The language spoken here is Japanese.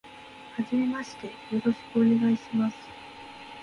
はじめまして、よろしくお願いします。